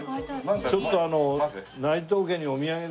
ちょっと内藤家にお土産で。